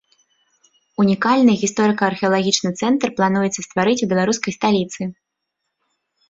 Унікальны гісторыка-археалагічны цэнтр плануецца стварыць у беларускай сталіцы.